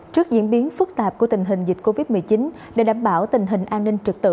trước diễn biến phức tạp của tình hình dịch covid một mươi chín để đảm bảo tình hình an ninh trực tự